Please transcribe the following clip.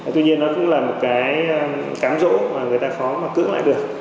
tuy nhiên nó cũng là một cái cám rỗ mà người ta khó mà cưỡng lại được